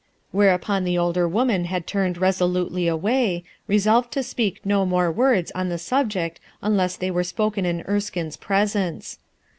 Whereupon the older woman had turned resolutely away, resolved to speak no more words on the subject unless they were spoken in Erskinc's presence.